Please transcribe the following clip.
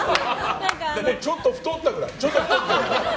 ちょっと太ったから。